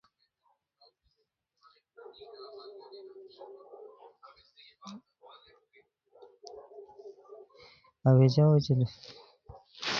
اویژہ اوچے لوٹھوروان گیتی نِشیکار اچی ہے لوٹھورو برار دوروت بی اسور ہے یامبوان انگیکو بچین